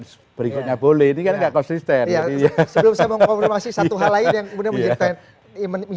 saya mau mengkomplomasi satu hal lain